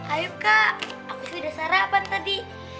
ayo kak aku sudah sarapan tadi